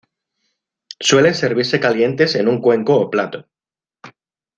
Suelen servirse calientes en un cuenco o plato.